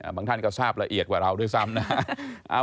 ท่านก็ทราบละเอียดกว่าเราด้วยซ้ำนะ